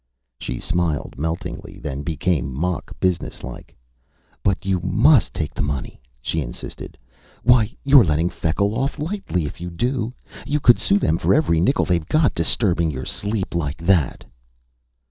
She smiled meltingly, then became mock businesslike. "But you must take the money," she insisted. "Why, you're letting Feckle off lightly if you do! You could sue them for every nickel they've got, disturbing your sleep like that."